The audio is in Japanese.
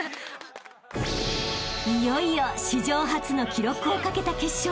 ［いよいよ史上初の記録をかけた決勝戦］